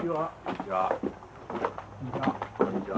こんにちは。